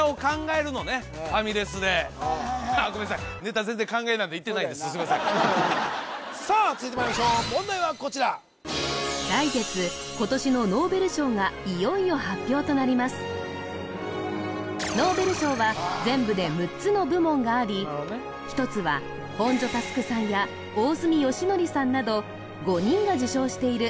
あとあっごめんなさいそうだよなすいません続いてまいりましょう問題はこちら来月今年のノーベル賞がいよいよ発表となりますノーベル賞は全部で６つの部門があり１つは本庶佑さんや大隅良典さんなど５人が受賞している